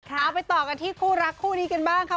เอาไปต่อกันที่คู่รักคู่นี้กันบ้างค่ะ